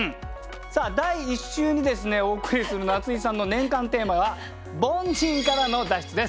さあ第１週にですねお送りする夏井さんの年間テーマは「凡人からの脱出」です。